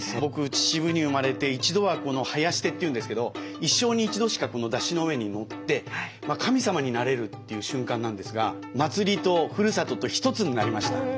秩父に生まれて一度はこの囃子手っていうんですけど一生に一度しかこの山車の上に乗って神様になれるという瞬間なんですが祭りとふるさとと一つになりました。